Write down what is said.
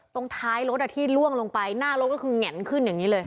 ตรงท้ายรถที่ล่วงลงไปหน้ารถก็คือแง่นขึ้นอย่างนี้เลย